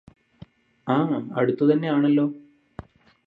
ആ അടുത്ത് തന്നെയാണല്ലോ